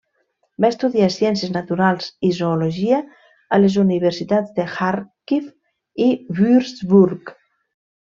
Va estudiar ciències naturals i zoologia a les universitats de Khàrkiv i Würzburg.